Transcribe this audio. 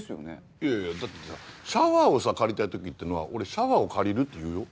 いやいやだってさシャワーをさ借りたい時っていうのは俺「シャワーを借りる」って言うよ？